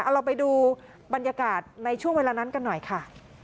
เอาเราไปดูบรรยากาศในช่วงเวลานั้นกันหน่อยค่ะ